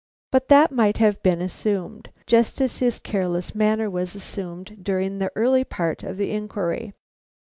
But that might have been assumed, just as his careless manner was assumed during the early part of the inquiry.